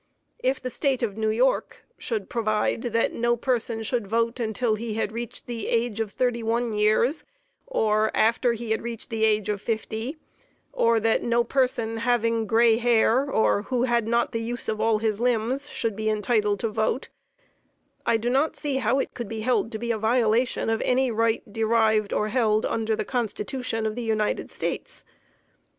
If the State of New York should provide that no person should vote until he had reached the age of 31 years, or after he had reached the age of 50, or that no person having gray hair, or who had not the use of all his limbs, should be entitled to vote, I do not see how it could be held to be a violation of any right derived or held under the Constitution of the United States.